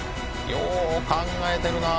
よう考えてるな。